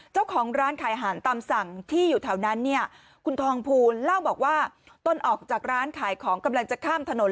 เจ้าของร้านขายอาหารตามสั่งที่อยู่แถวนั้นเนี่ยคุณทองภูลเล่าบอกว่าต้นออกจากร้านขายของกำลังจะข้ามถนน